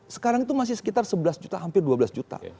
sekarang itu masih sekitar sebelas juta hampir dua belas juta